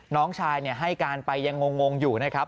น้องชายให้การไปยังงงอยู่นะครับ